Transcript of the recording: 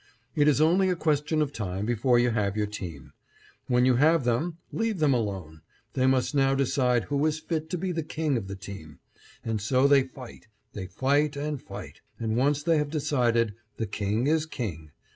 It is only a question of time before you have your team. When you have them, leave them alone; they must now decide who is fit to be the king of the team, and so they fight, they fight and fight; and once they have decided, the king is king.